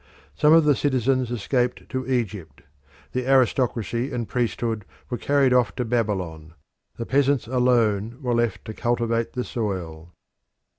Some of the citizens escaped to Egypt; the aristocracy and priesthood were carried off to Babylon; the peasants alone were left to cultivate the soil.